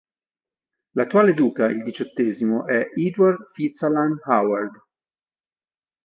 L'attuale duca, il diciottesimo, è Edward Fitzalan-Howard.